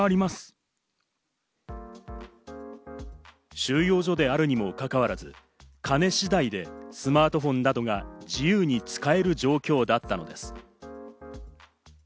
収容所であるにもかかわらず、金次第でスマートフォンなどが自由に使える状況だったのです。